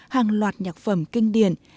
hàng loạt nhạc phẩm kinh điển